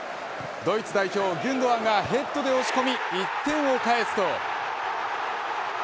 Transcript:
ドイツ代表ギュンドアンがヘッドで押し込み１点で返すと。